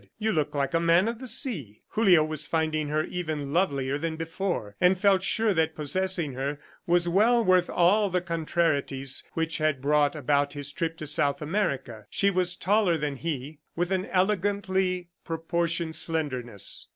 "You look like a man of the sea." Julio was finding her even lovelier than before, and felt sure that possessing her was well worth all the contrarieties which had brought about his trip to South America. She was taller than he, with an elegantly proportioned slenderness.